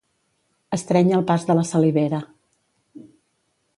Estrènyer el pas de la salivera.